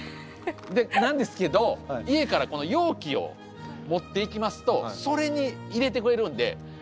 でなんですけど家からこの容器を持っていきますとそれに入れてくれるので通常の量よりも多めに。